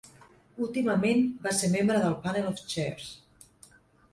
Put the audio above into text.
Últimament, va ser membre del Panel of Chairs.